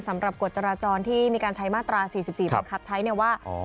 กฎจราจรที่มีการใช้มาตรา๔๔บังคับใช้เนี่ยว่า